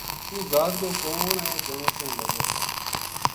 توہ ذات کو کون ہے جنو کہن لگو